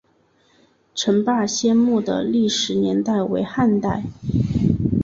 陈霸先墓的历史年代为汉代。